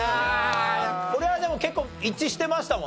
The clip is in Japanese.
これはでも結構一致してましたもんね。